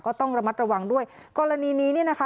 ก็ต้องระมัดระวังด้วยกรณีนี้เนี่ยนะคะ